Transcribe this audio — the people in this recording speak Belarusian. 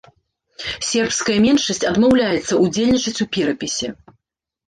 Сербская меншасць адмаўляецца ўдзельнічаць у перапісе.